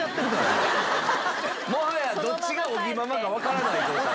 もはやどっちが尾木ママかわからない状態。